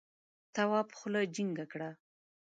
تواب خوله جینگه کړه.